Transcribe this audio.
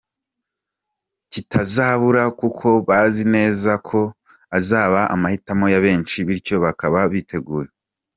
kitazabura kuko bazi neza ko azaba amahitamo ya benshi bityo bakaba biteguye